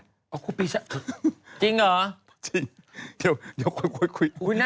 อ้าวพี่จริงเหรอจริงเดี๋ยวพูดคุย